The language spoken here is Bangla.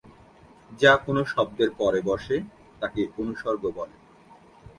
যা কোন শব্দের পরে বসে তাকে অনুসর্গ বলে।